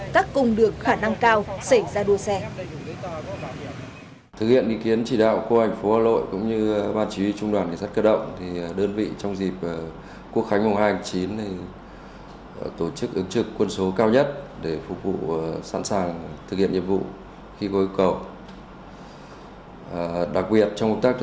các cung đường khả năng cao